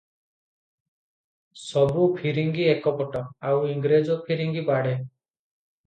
ସବୁ ଫିରିଙ୍ଗୀ ଏକପଟ, ଆଉ ଇଂରେଜ ଫିରିଙ୍ଗୀ ବାଡ଼େ ।